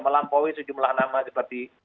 melampaui sejumlah nama seperti